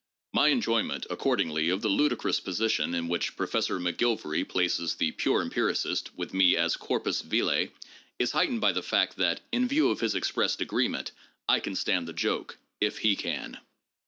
My enjoyment, accordingly, of the ludicrous position in which Professor McGilvary places the "pure empiricist," with me as corpus vile, is heightened by the fact, that in view of his ex pressed agreement, I can stand the joke — if he can.